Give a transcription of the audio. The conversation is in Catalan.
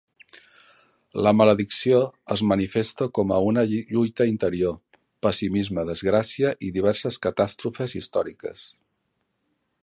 La "maledicció" es manifesta com a una lluita interior, pessimisme, desgràcia i diverses catàstrofes històriques.